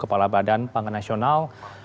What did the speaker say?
kepala badan pangan nasional